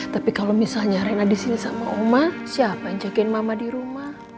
tapi kalau misalnya rena di sini sama oma siapa yang jagain mama di rumah